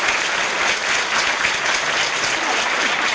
ท่านประตานครับ